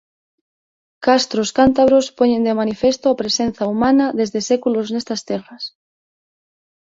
Castros cántabros poñen de manifesto a presenza humana desde séculos nestas terras.